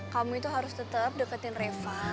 kamu itu harus tetap deketin reva